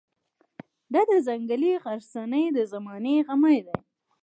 دا د ځنګلي غرڅنۍ د زمانې غمی دی.